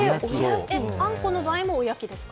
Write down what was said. あんこの場合もおやきですか？